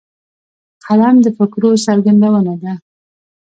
قلم د فکرو څرګندونه ده